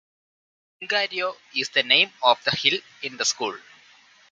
"Jingaryo" is the name of the hill in the school.